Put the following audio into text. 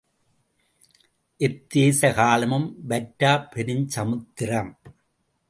எத்தேச காலமும் வற்றாப் பெருஞ் சமுத்திரம்.